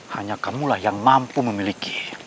hanya kamu lah yang mampu memiliki